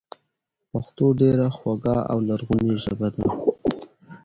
پښتو ډېره خواږه او لرغونې ژبه ده